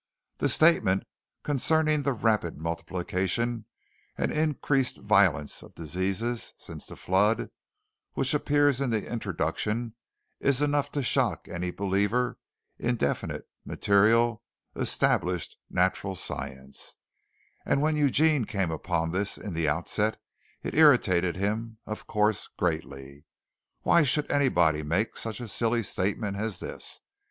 The statement concerning the rapid multiplication and increased violence of diseases since the flood, which appears in the introduction is enough to shock any believer in definite, material, established natural science, and when Eugene came upon this in the outset, it irritated him, of course, greatly. Why should anybody make such a silly statement as this?